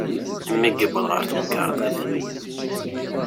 Mi yewweḍ ɣer temkerḍit.